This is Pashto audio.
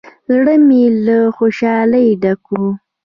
زړه مې له خوشالۍ ډک و.